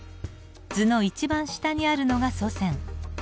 図の一番下にあるのが祖先。